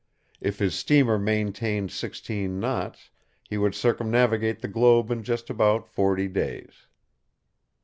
If his steamer maintained sixteen knots, he would circumnavigate the globe in just about forty days.